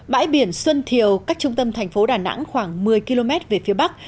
bãi biển xuân thiều cách trung tâm thành phố đà nẵng khoảng một mươi km về phía bắc